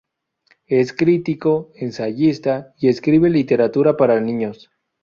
Es crítico, ensayista y escribe literatura para niños.